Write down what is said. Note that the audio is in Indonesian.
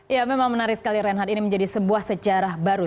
ya memang menarik sekali reinhardt ini menjadi sebuah sejarah baru